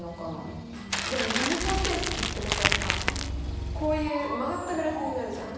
でも２次方程式ってことはさこういう曲がったグラフになるじゃん？